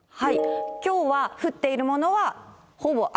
きょうは降っているものはほぼ雨。